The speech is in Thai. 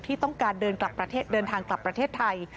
ที่ต้องการเดินทางกลับประเทศไทย